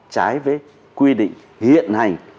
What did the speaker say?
trái với quy định hiện hành